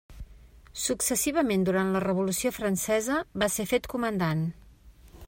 Successivament durant la Revolució francesa va ser fet comandant.